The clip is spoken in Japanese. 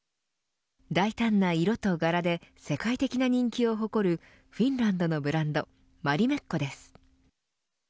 大胆な色と柄で世界的な人気を誇るフィンランドのブランドマリメッコです。